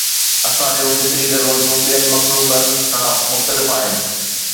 انسان جون فطري ضرورتون ٻين مخلوقن کان مختلف آهن.